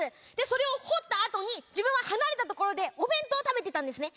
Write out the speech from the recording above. それを掘ったあとに自分は離れた所でお弁当を食べてたんですね。